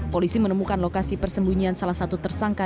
polisi menemukan lokasi persembunyian salah satu tersangka